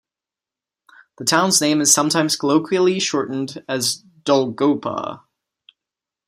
The town's name is sometimes colloquially shortened as "Dolgopa".